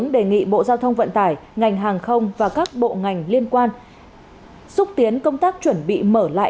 đề nghị bộ giao thông vận tải ngành hàng không và các bộ ngành liên quan xúc tiến công tác chuẩn bị mở lại